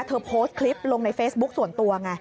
โพสต์คลิปลงในเฟซบุ๊คส่วนตัวไง